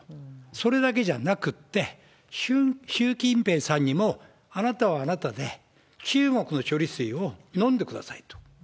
それだけじゃなくって、習近平さんにも、あなたはあなたで中国の処理水を飲んでくださいと。